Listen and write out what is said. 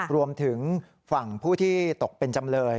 รวมถึงฝั่งผู้ที่ตกเป็นจำเลย